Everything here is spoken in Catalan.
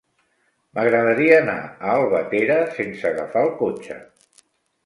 M'agradaria anar a Albatera sense agafar el cotxe.